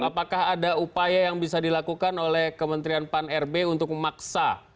apakah ada upaya yang bisa dilakukan oleh kementerian pan rb untuk memaksa